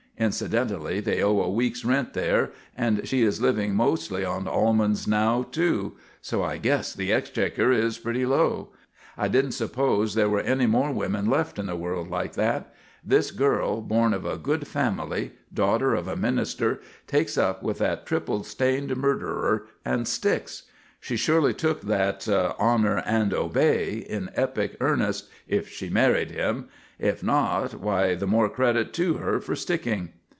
Incidentally, they owe a week's rent there, and she is living mostly on almonds now, too; so I guess the exchequer is pretty low. I didn't suppose there were any more women left in the world like that. This girl, born of good family, daughter of a minister, takes up with that triple stained murderer and sticks. She surely took that honour and obey in epic earnest if she married him; if not, why, the more credit to her for sticking.